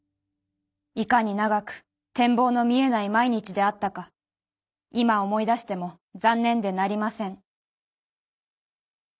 いかに長く展望の見えない毎日であったか今思い出しても残念でなりません」。